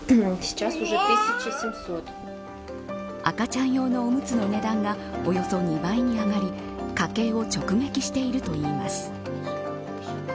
赤ちゃん用のおむつの値段がおよそ２倍に上がり家計を直撃しているといいます。